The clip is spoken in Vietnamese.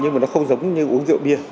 nhưng mà nó không giống như uống rượu bia